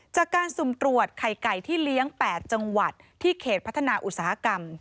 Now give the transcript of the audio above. จากการสุ่มตรวจไข่ไก่ที่เลี้ยง๘จังหวัดที่เขตพัฒนาอุตสาหกรรม